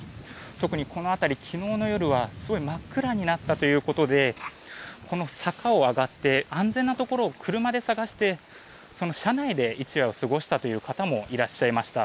特にこの辺り、昨日の夜は真っ暗になったということでこの坂を上がって安全なところを車で探してその車内で一夜を過ごしたという方もいらっしゃいました。